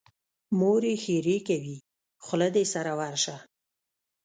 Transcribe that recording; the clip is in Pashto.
مور یې ښېرې کوي: خوله دې سره ورشه.